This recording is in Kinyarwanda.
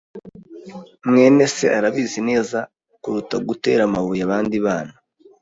mwene se arabizi neza kuruta gutera amabuye abandi bana.